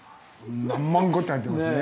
何万個って入ってますね。